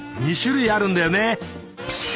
２種類あるんだよね。